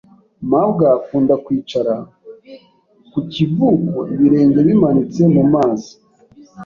mabwa akunda kwicara ku kivuko ibirenge bimanitse mu mazi.